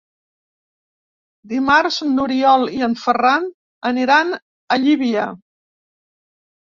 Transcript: Dimarts n'Oriol i en Ferran aniran a Llívia.